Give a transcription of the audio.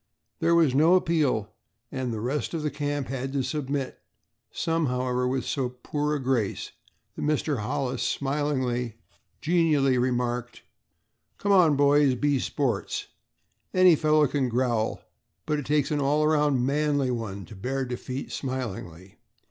There was no appeal and the rest of the camp had to submit, some, however, with so poor a grace that Mr. Hollis, smilingly genially remarked: "Come, boys, be sports. Any fellow can growl but it takes an all around manly one to bear defeat smilingly.